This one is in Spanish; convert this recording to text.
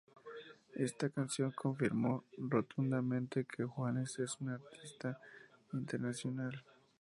Esta canción confirmó rotundamente que Juanes es un artista internacional.